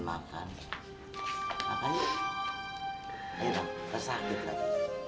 makannya enak ga sakit lagi